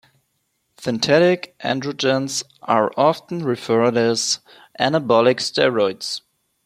Synthetic androgens are often referred to as anabolic steroids.